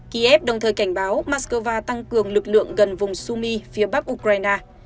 kiev đồng thời cảnh báo moscow tăng cường lực lượng gần vùng sumi phía bắc ukraine